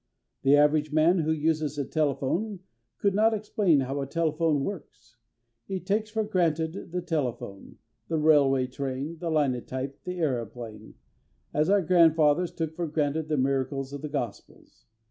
The average man who uses a telephone could not explain how a telephone works. He takes for granted the telephone, the railway train, the linotype, the aeroplane, as our grandfathers took for granted the miracles of the gospels.